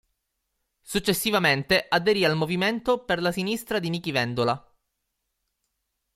Successivamente aderì al Movimento per la Sinistra di Nichi Vendola.